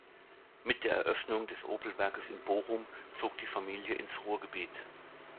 Mit der Eröffnung des Opel-Werkes in Bochum zog die Familie ins Ruhrgebiet.